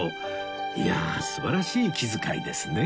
いやあ素晴らしい気遣いですね